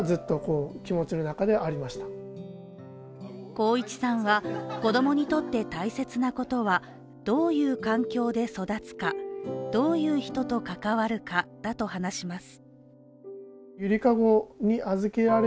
航一さんは、子供にとって大切なことはどういう環境で育つかどういう人と関わるかだと話します。